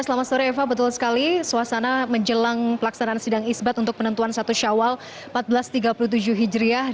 selamat sore eva betul sekali suasana menjelang pelaksanaan sidang isbat untuk penentuan satu syawal seribu empat ratus tiga puluh tujuh hijriah